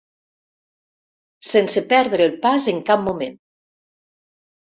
Sense perdre el pas en cap moment.